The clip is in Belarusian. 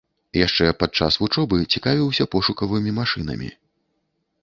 Яшчэ падчас вучобы цікавіўся пошукавымі машынамі.